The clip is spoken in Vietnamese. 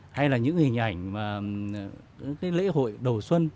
hay là những hình ảnh mà cái lễ hội đầu xuân